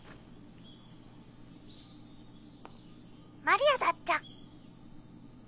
「マリアだっちゃ」